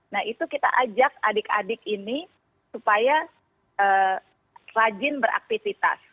nah itu kita ajak adik adik ini supaya rajin beraktivitas